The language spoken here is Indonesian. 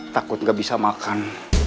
takut gak bisa makan